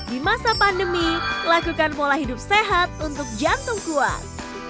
di masa pandemi lakukan pola hidup sehat untuk jantung kuat